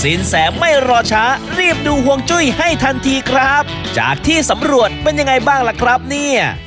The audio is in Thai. แสไม่รอช้ารีบดูห่วงจุ้ยให้ทันทีครับจากที่สำรวจเป็นยังไงบ้างล่ะครับเนี่ย